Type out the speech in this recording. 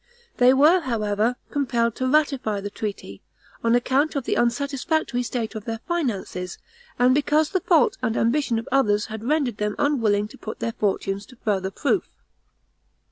They were, however, compelled to ratify the treaty, on account of the unsatisfactory state of their finances, and because the faults and ambition of others had rendered them unwilling to put their fortunes to further proof.